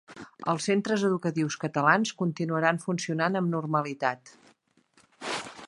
Els centres educatius catalans continuaran funcionant amb normalitat